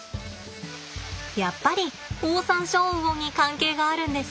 やっぱりオオサンショウウオに関係があるんです。